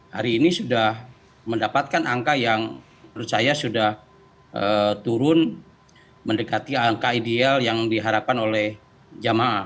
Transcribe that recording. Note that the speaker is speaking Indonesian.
hari ini sudah mendapatkan angka yang menurut saya sudah turun mendekati angka ideal yang diharapkan oleh jamaah